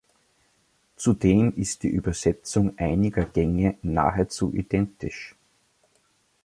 Zudem ist die Übersetzung einiger Gänge nahezu identisch.